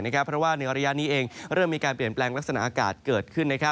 เพราะว่าในระยะนี้เองเริ่มมีการเปลี่ยนแปลงลักษณะอากาศเกิดขึ้น